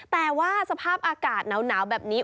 แต่ว่าสภาพอากาศหนาวแบบนี้